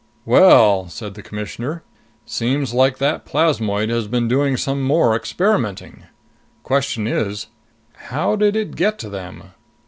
"Well," said the Commissioner, "seems like that plasmoid has been doing some more experimenting. Question is, how did it get to them?"